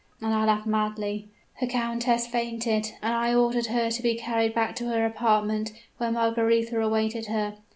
and I laughed madly! "The countess fainted, and I ordered her to be carried back to her apartment, where Margaretha awaited her.